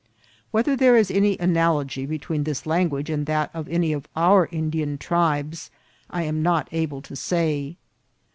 Whether there is any analogy between this language and that of any of our own Indian tribes, I am not able to say.